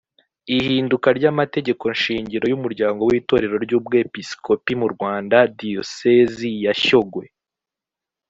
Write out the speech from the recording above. ihinduka ry amategeko shingiro y umuryango w itorero ry ubwepisikopi mu rwanda diyosezi ya shyogwe